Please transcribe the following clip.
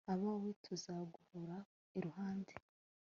abawe tuzaguhora iruhande